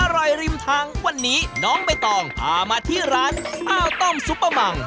ริมทางวันนี้น้องใบตองพามาที่ร้านข้าวต้มซุปเปอร์มัง